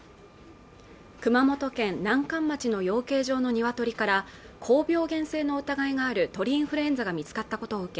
熊本県南関町の養鶏場のニワトリから高病原性の疑いがある鳥インフルエンザが見つかったことを受け